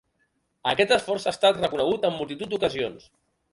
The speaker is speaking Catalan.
Aquest esforç ha estat reconegut en multitud d'ocasions.